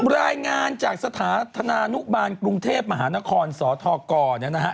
รายงานจากสถานธนานุบาลกรุงเทพมหานครสทกเนี่ยนะฮะ